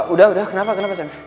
udah udah kenapa kenapa sih